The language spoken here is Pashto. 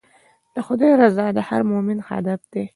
د خدای رضا د هر مؤمن هدف دی.